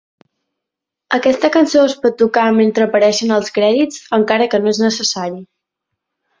Aquesta cançó es pot tocar mentre apareixen els crèdits encara que no és necessari.